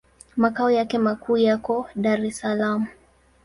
Makao yake makuu yako Dar es Salaam.